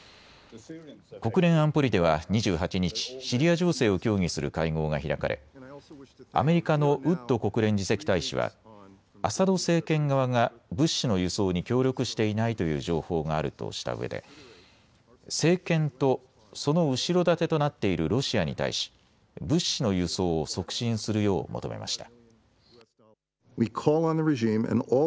国連安保理では２８日、シリア情勢を協議する会合が開かれアメリカのウッド国連次席大使はアサド政権側が物資の輸送に協力していないという情報があるとしたうえで政権とその後ろ盾となっているロシアに対し物資の輸送を促進するよう求めました。